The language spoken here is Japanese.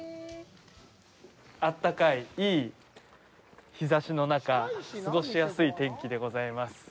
あったかい、いい日ざしの中過ごしやすい天気でございます。